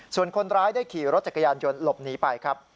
ส่วนคนร้ายได้ขี่รถจักรยานยนต์หลบหนีไปครับ